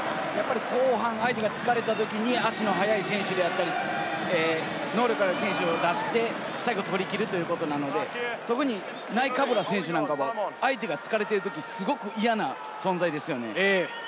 後半、相手が疲れたときに足の速い選手であったり、能力のある選手を出して最後に取り切るという事なので、特にナイカブラ選手は、相手が疲れているとき、すごい嫌な存在ですよね。